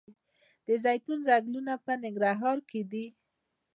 د زیتون ځنګلونه په ننګرهار کې دي؟